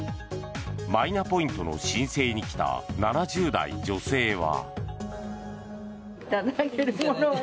マイナポイントの申請に来た７０代女性は。